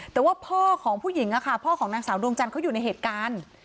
แต่ว่าพ่อของผู้หญิงค่ะพ่อของนางสาวดวงจันทร์เขาอยู่ในเหตุการณ์